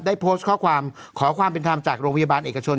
โพสต์ข้อความขอความเป็นธรรมจากโรงพยาบาลเอกชน